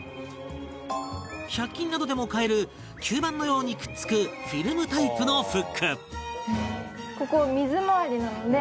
１００均などでも買える吸盤のようにくっつくフィルムタイプのフック